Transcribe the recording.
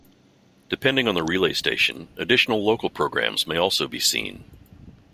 Depending on the relay station, additional local programs may also be seen.